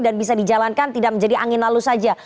dan bisa dijalankan tidak menjadi angin lalu saja